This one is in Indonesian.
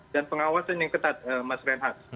dan pengawasan yang ketat mas renhad